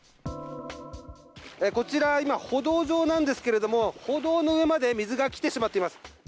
こちら歩道上なんですけど歩道の上まで水が来てしまっています。